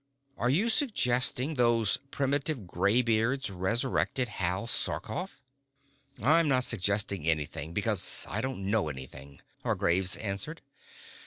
Are you suggesting those primitive gray beards resurrected Hal Sarkoff?" "I'm not suggesting anything because I don't know anything," Hargraves answered.